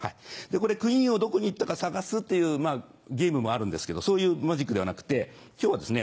クイーンをどこに行ったか探すっていうゲームもあるんですけどそういうマジックではなくて今日はですね